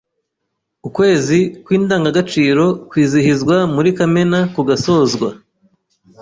Ukwezi kw’indangagaciro kwizihizwa muri Kamena kugasozwa